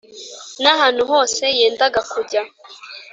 N Ahantu Hose Yendaga Kujya